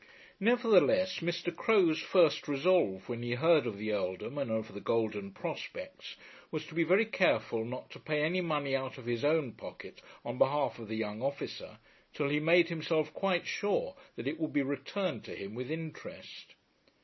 Nevertheless Mr. Crowe's first resolve, when he heard of the earldom and of the golden prospects, was to be very careful not to pay any money out of his own pocket on behalf of the young officer, till he made himself quite sure that it would be returned to him with interest.